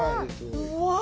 うわ。